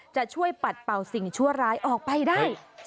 จะช่วยปัดเป่าสิ่งชั่วร้ายออกไปได้